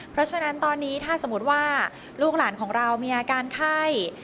เพราะฉะนั้นตอนนี้ถ้าสมมุติว่าลูกหลานของเรามีอาการไข้